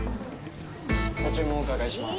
ご注文お伺いします。